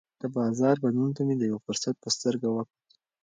د بازار بدلون ته مې د یوه فرصت په سترګه وکتل.